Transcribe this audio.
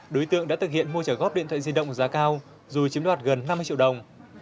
đối tượng đã thực hiện mua trả góp điện thoại di động giá cao rồi chiếm đoạt gần năm mươi triệu đồng